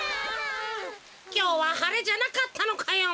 きょうははれじゃなかったのかよ。